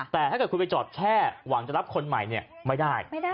แต่ถ้าเกิดคุณไปจอดแช่หวังจะรับคนใหม่ไม่ได้